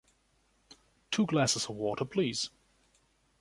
Two glasses of water please.